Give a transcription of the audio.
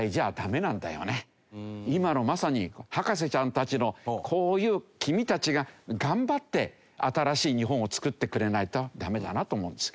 今のまさに博士ちゃんたちのこういう君たちが頑張って新しい日本をつくってくれないとダメだなと思うんですけどね。